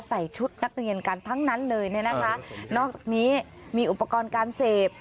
ใส่ชุดนักเรียนกันทั้งนั้นเลยเนี่ยนะคะนอกจากนี้มีอุปกรณ์การเสพ